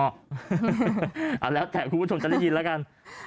เอาแล้วแต่คุณผู้ชมจะได้ยินแล้วกัน